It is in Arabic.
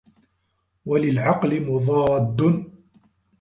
وَلِلْعَقْلِ مُضَادٌّ